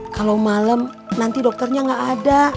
kalo malam nanti dokternya gak ada